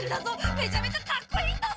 めちゃめちゃカッコいいんだぞ！